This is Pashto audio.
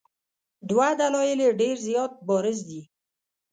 دوه دلایل یې ډېر زیات بارز دي.